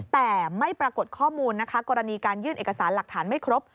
แต่ไม่ปรากฏข้อมูลนะคะกรณีการยื่นเอกสารหลักฐานไม่ครบ